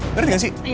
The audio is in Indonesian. ngerti gak sih